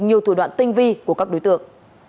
nhiều thủ đoạn tinh vi của các đối tượng